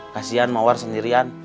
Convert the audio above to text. kasian mawar sendirian